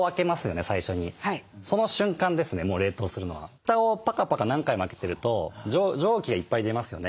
蓋をパカパカ何回も開けてると蒸気がいっぱい出ますよね。